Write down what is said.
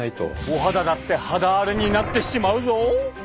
お肌だって肌荒れになってしまうぞ！